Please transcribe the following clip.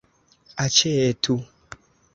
aĉetu